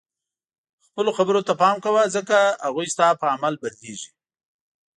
خپلو خبرو ته پام کوه ځکه هغوی ستا په عمل بدلیږي.